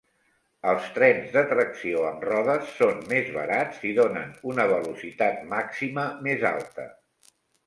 Els trens de tracció amb rodes són més barats i donen una velocitat màxima més alta.